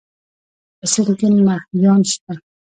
په سيند کې مهيان شته؟